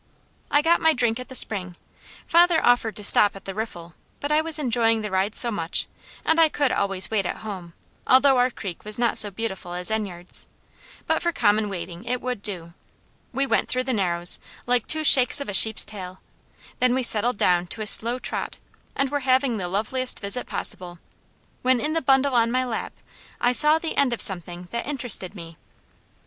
I got my drink at the spring, father offered to stop at the riffle, but I was enjoying the ride so much, and I could always wade at home, although our creek was not so beautiful as Enyard's, but for common wading it would do; we went through the narrows, like two shakes of a sheep's tail, then we settled down to a slow trot, and were having the loveliest visit possible, when in the bundle on my lap, I saw the end of something that interested me.